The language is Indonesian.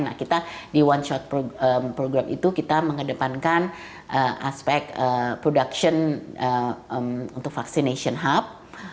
nah kita di one shot program itu kita mengedepankan aspek production untuk vaccination hub